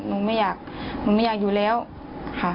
หนูไม่อยากหนูไม่อยากอยู่แล้วค่ะ